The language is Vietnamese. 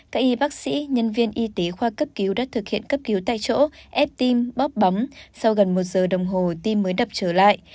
các y bác sĩ nhân viên y tế khoa cấp cứu đã thực hiện cấp cứu tại chỗ ép tim bóp bóng sau gần một giờ đồng hồ tim mới đập trở lại